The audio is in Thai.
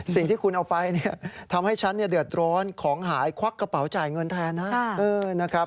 สิ่งที่คุณเอาไปทำให้ฉันเดือดร้อนของหายควักกระเป๋ากระเป๋าจ่ายเงินแทน